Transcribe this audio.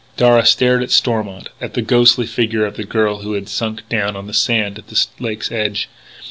Darragh stared at Stormont, at the ghostly figure of the girl who had sunk down on the sand at the lake's edge.